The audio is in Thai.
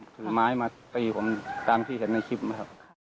ถือไม้มาตีผมตามที่เห็นในคลิปนะครับ